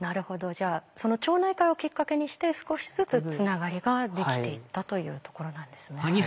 じゃあその町内会をきっかけにして少しずつつながりができていったというところなんですね。